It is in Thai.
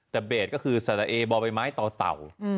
แต่เบจก็คือสระเอบ่าไปไม้เต่า